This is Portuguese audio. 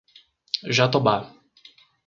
Jatobá